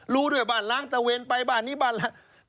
รู้ด้วยบ้านล้างตะเวนไปบ้านนี้บ้านล้าง